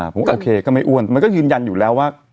ผมโอเคก็ไม่อ้วนมันก็ยืนยันอยู่แล้วว่า